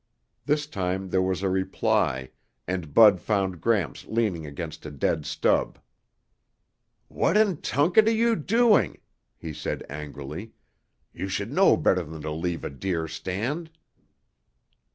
This time there was a reply, and Bud found Gramps leaning against a dead stub. "What in tunket are you doing?" he said angrily. "You should know better than to leave a deer stand."